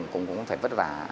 cũng cũng phải vất vả